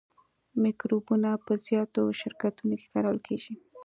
مکروبونه په زیاتو شرکتونو کې کارول کیږي.